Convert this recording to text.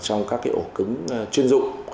trong các ổ cứng chuyên dụng